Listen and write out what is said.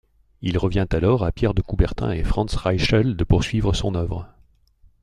Il revient alors à Pierre de Coubertin et Frantz Reichel de poursuivre son œuvre.